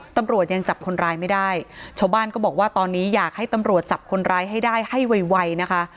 ตำรวจยังจับคนร้ายไม่ได้ชาวบ้านก็บอกว่าตอนนี้อยากให้ตำรวจจับคนร้ายให้ได้ให้ไวนะคะ